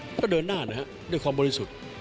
ก็เดินหน้านะครับด้วยความบริสุทธิ์